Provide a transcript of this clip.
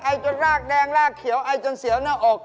จนลากแดงลากเขียวไอจนเสียวหน้าอก